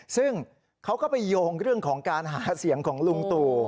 ซึ่งเขาก็ไปโยงเรื่องของการหาเสียงของลุงตู่